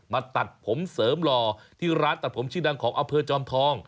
ตัดผมเสริมหล่อที่ร้านตัดผมชื่อดังของอำเภอจอมทอง